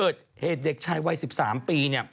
เด็กจีน